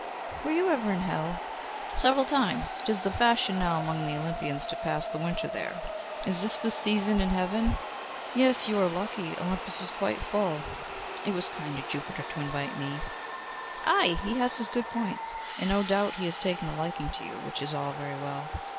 'Were you ever in Hell?' 'Several times. 'Tis the fashion now among the Olympians to pass the winter there.' 'Is this the season in Heaven?' 'Yes; you are lucky. Olympus is quite full.' 'It was kind of Jupiter to invite me.' 'Ay! he has his good points. And, no doubt, he has taken a liking to you, which is all very well.